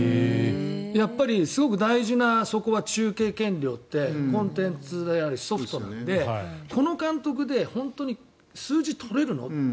やっぱりすごく大事な中継権料ってコンテンツでありソフトなのでこの監督で数字が取れるのって。